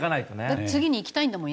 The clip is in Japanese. だって次に行きたいんだもん